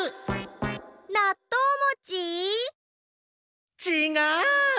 なっとうもち？ちがう！